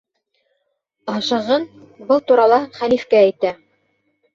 Ашығын, был турала хәлифкә әйтә.